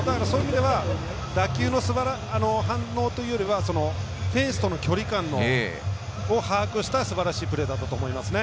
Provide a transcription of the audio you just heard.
打球の反応というよりはフェンスとの距離感を把握したすばらしいプレーだったと思います。